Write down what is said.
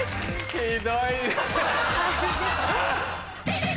ひどい。